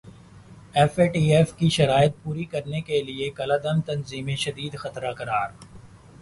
F A T F کی شرائط پوری کرنے کیلئے کالعدم تنظیمیںشدید خطرہ قرار